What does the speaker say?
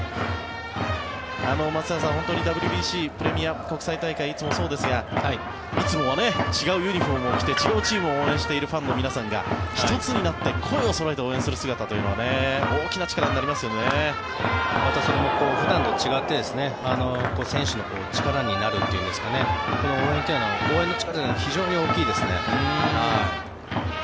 松坂さんＷＢＣ、プレミア、国際大会いつもそうですがいつもとは違うユニホームを着て違うチームを応援しているファンの皆さんが１つになって声をそろえて応援する姿というのはまたそれも普段と違って選手の力になるというんですか応援の力が非常に大きいですね。